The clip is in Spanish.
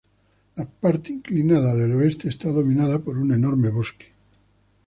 La parte inclinada del oeste está dominada por un enorme bosque.